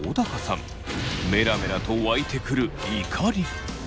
メラメラと湧いてくる怒り。